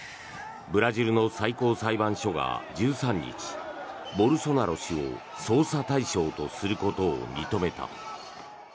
ブラジルの最高裁判所が１３日ボルソナロ氏を捜査対象とすることを認めた。